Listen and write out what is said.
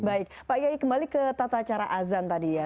baik pak yai kembali ke tata cara azan tadi ya